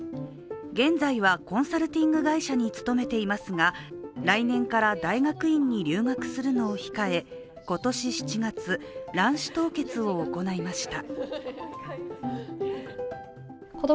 現在はコンサルティング会社に勤めていますが来年から大学院に留学するのを控え今年７月、卵子凍結を行いました。